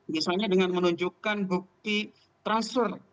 misalnya dengan menunjukkan bukti transfer